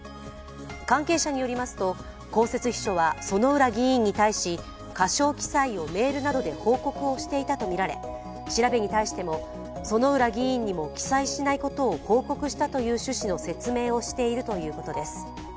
関係者によりますと、公設秘書は薗浦議員に対し、過少記載をメールなどで報告していたとみられ調べに対しても、薗浦議員にも記載しないことを報告したという趣旨の説明をしているということです。